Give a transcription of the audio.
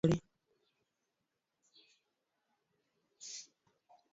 Chak opukore.